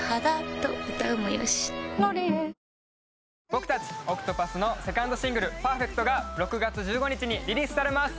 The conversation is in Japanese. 僕たちＯＣＴＰＡＴＨのセカンドシングル『Ｐｅｒｆｅｃｔ』が６月１５日にリリースされます。